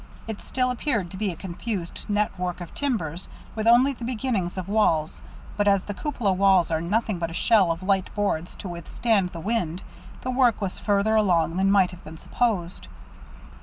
It still appeared to be a confused network of timbers, with only the beginnings of walls, but as the cupola walls are nothing but a shell of light boards to withstand the wind, the work was further along than might have been supposed.